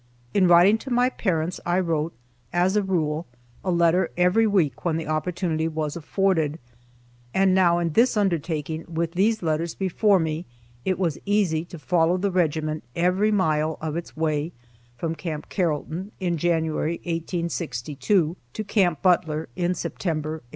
In writing to my parents I wrote, as a rule, a letter every week when the opportunity was afforded, and now in this undertaking with these letters before me it was easy to follow the regiment every mile of its way from Camp Carrollton in January, 1862, to Camp Butler, in September, 1865.